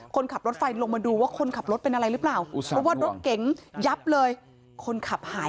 คนขับรถไฟลงมาดูว่าคนขับรถเป็นอะไรหรือเปล่า